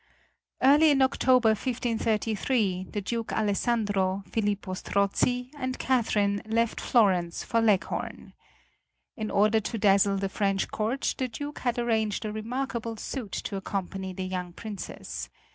Early in October, 1533, the Duke Alessandro, Filippo Strozzi, and Catherine left Florence for Leghorn. In order to dazzle the French court the Duke had arranged a remarkable suite to accompany the young Princess.